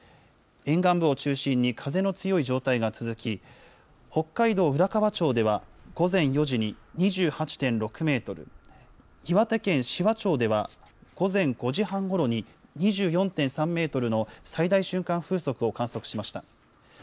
沿岸部を中心に風の強い状態が続き、北海道浦河町では、午前４時に２８．６メートル、岩手県紫波町では、午前５時半ごろに、２４．３メートルの最大瞬間風速を観測しました。